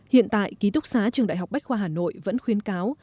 hiện tại ký túc xá trường đại học bách khoa hà nội vẫn khuyến cáo